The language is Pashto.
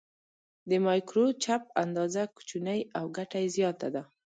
د مایکروچپ اندازه کوچنۍ او ګټه یې زیاته ده.